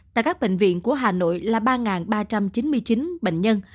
tại các bệnh viện của hà nội là ba ba trăm chín mươi chín bệnh nhân